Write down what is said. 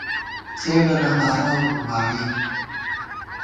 څېڈَنہ ہارہ (رُباعی)